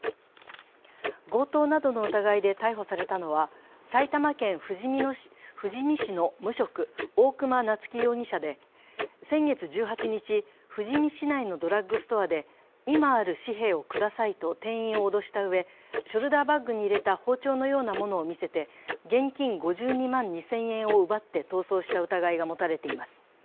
強盗などの疑いで逮捕されのは、埼玉県富士見市の無職、大熊菜月容疑者で先月１８日、富士見市内のドラッグストアで今ある紙幣をくださいと店員を脅したうえショルダーバッグに入れた包丁のようなものを見せて現金５２万２０００円を奪って逃走した疑いが持たれています。